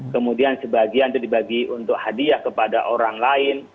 kemudian sebagian itu dibagi untuk hadiah kepada orang lain